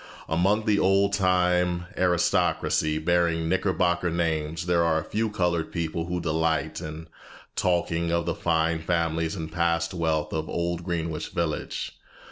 Among the old time aristocracy bearing Knickerbocker names there are a few colored people who delight in talking of the fine families and past wealth of old Greenwich Village.